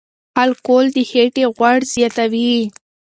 الکول د خېټې غوړ زیاتوي.